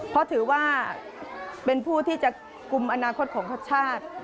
เพราะถือว่าเป็นผู้ที่จะกลุ่มอนาคตของชาติ